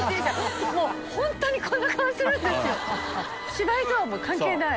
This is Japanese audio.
芝居とはもう関係ない。